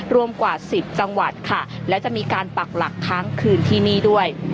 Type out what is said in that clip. รวมกว่า๑๐จังหวัดค่ะและจะมีการปักหลักค้างคืนที่นี่ด้วย